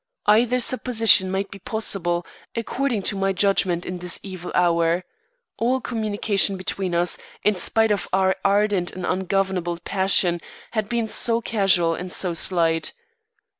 Either supposition might be possible, according to my judgment in this evil hour. All communication between us, in spite of our ardent and ungovernable passion, had been so casual and so slight.